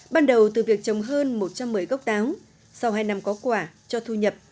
ban đầu từ việc trồng hơn một trăm một mươi gốc táo sau hai năm có quả cho thu nhập